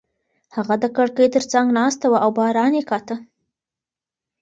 هغه د کړکۍ تر څنګ ناسته وه او باران یې کاته.